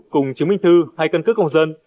cùng chứng minh thư hay cân cước công dân